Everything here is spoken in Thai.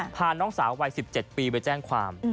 พาน้องสาววัย๑๗ปีไปแจ้งความ